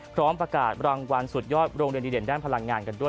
พร้อมประกาศรางวัลสุดยอดโรงเรียนดีเด่นด้านพลังงานกันด้วย